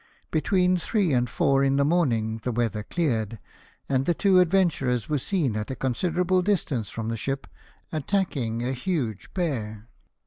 Between three and four in the morning the weather cleared, and the two adven turers were seen, at a considerable distance from the ship, attacking a huge bear.